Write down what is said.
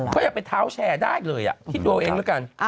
เขายังเป็นเท้าแชร์ได้เลยคิดดูเอาเองแล้วกัน